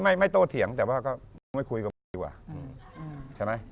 ไม่โตเถียงแต่ว่าไม่คุยกับใช่ไหม